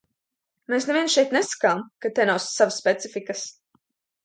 Mēs neviens šeit nesakām, ka te nav savas specifikas.